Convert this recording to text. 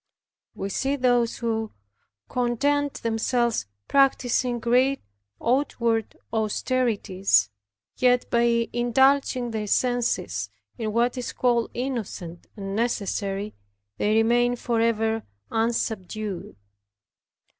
We see those who content themselves practicing great outward austerities, yet by indulging their senses in what is called innocent and necessary, they remain forever unsubdued.